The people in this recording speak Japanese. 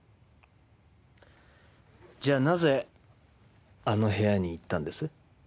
じゃなぜあの部屋に行ったんです？